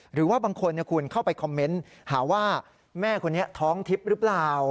หรือว่าบางคนคุณเข้าไปคอมเมนต์หาว่าแม่คนนี้ท้องทิพย์หรือเปล่า